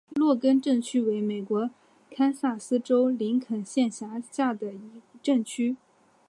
洛根镇区为美国堪萨斯州林肯县辖下的镇区。